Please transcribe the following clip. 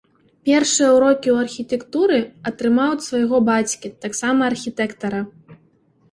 Першыя ўрокі ў архітэктуры атрымаў ад свайго бацькі, таксама архітэктара.